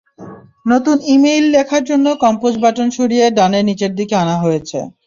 নতুন ই-েমইল লেখার জন্য কম্পোজ বাটন সরিয়ে ডানে নিচের দিকে আনা হয়েছে।